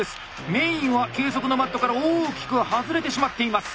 メインは計測のマットから大きく外れてしまっています。